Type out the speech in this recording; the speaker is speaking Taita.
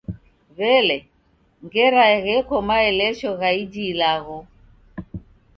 W'elee, ngera gheko maelesho gha iji ilagho?